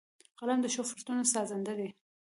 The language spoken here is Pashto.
قلم د ښو فرصتونو سازنده دی